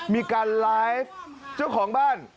มีการไลฟ์เจ้าของบ้าน